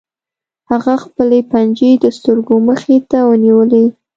هغه خپلې پنجې د سترګو مخې ته ونیولې